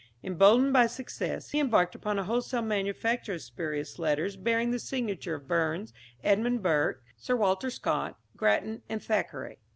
Emboldened by success, he embarked upon a wholesale manufacture of spurious letters bearing the signatures of Burns, Edmund Burke, Sir Walter Scott, Grattan and Thackeray.